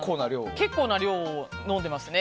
結構な量を飲んでますね。